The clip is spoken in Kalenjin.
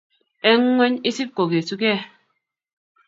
eng ng'ony Isib kogesugei.